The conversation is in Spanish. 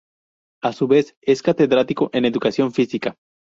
A su vez, es catedrático en Educación Física.